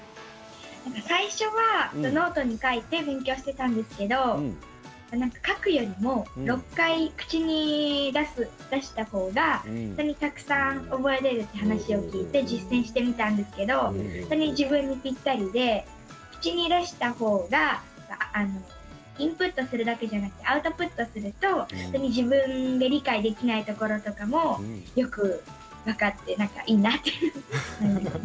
最初はノートに書いて勉強していたんですけど書くよりも６回、口に出したほうがたくさん覚えられるという話を聞いて、実践してみたんですけど自分にぴったりで口に出したほうがインプットするだけじゃなくアウトプットすると、より自分で理解できないところとかもよく分かって、なんかいいなと。